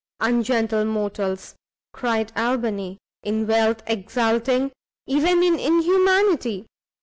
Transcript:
"Ungentle mortals!" cried Albany, "in wealth exulting; even in inhumanity!